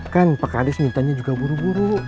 kan pak kadis mintanya juga buru buru